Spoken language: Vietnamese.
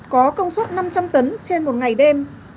có công suất năm trăm linh tấn trên một ngày đêm